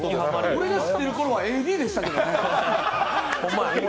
俺が知ってるころはＡＤでしたけどね！